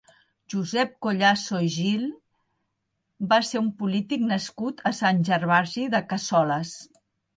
Josep Collaso i Gil va ser un polític nascut a Sant Gervasi de Cassoles.